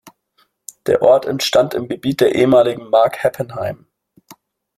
Der Ort entstand im Gebiet der ehemaligen "Mark Heppenheim".